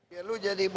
ya untuk jakarta pak